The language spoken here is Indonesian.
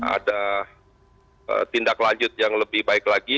ada tindak lanjut yang lebih baik lagi